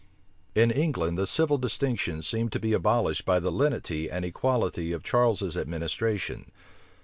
In England, the civil distinctions seemed to be abolished by the lenity and equality of Charles's administration.